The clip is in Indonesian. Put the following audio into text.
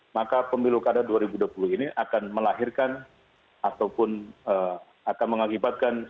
maka pemilu kada dua ribu dua puluh ini akan melahirkan ataupun akan mengakibatkan